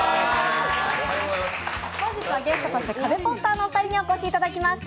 本日はゲストとしてカベポスターのお二人にお越しいただきました。